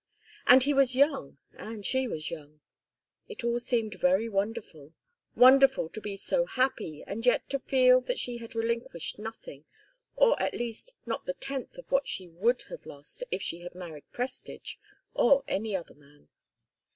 And he was young and she was young. It all seemed very wonderful; wonderful to be so happy, and yet to feel that she had relinquished nothing, or at least not the tenth of what she would have lost if she had married Prestage or any other man.